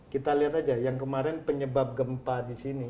kita liat aja yang kemarin penyebab gempa disini